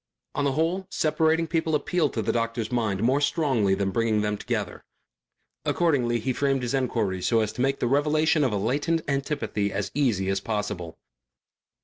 On the whole separating people appealed to a doctor's mind more strongly than bringing them together. Accordingly he framed his enquiries so as to make the revelation of a latent antipathy as easy as possible.